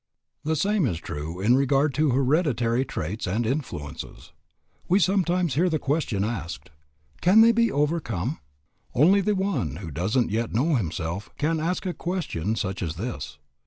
The same is true in regard to "hereditary" traits and influences. We sometimes hear the question asked, "Can they be overcome?" Only the one who doesn't yet know himself can ask a question such as this.